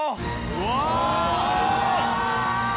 うわ！